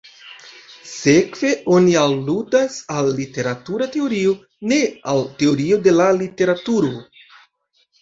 Sekve oni aludas al "literatura teorio", ne al "teorio de la literaturo".